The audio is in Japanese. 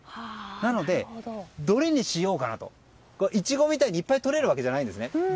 なので、どれにしようかなとイチゴみたいにいっぱいとれるわけじゃないんです。